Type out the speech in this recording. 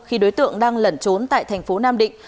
khi đối tượng đang lẩn trốn tại thành phố nam định